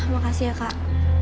makasih ya kak